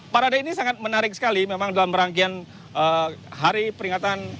parade ini sangat menarik sekali memang dalam rangkaian hari peringatan